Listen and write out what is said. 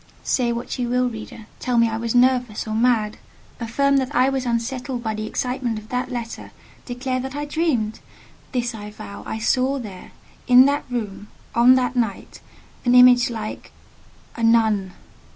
Say what you will, reader—tell me I was nervous or mad; affirm that I was unsettled by the excitement of that letter; declare that I dreamed; this I vow—I saw there—in that room—on that night—an image like—a NUN.